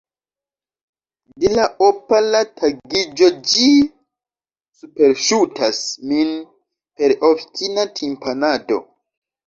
De la opala tagiĝo ĝi superŝutas min per obstina timpanado.